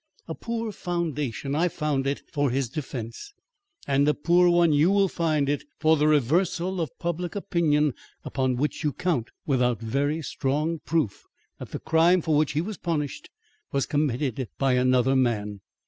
A poor foundation I found it for his defence; and a poor one you will find it for that reversal of public opinion upon which you count, without very strong proof that the crime for which he was punished was committed by another man.